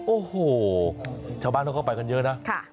โอ้โหชาวบ้านเขาก็ไปกันเยอะนะ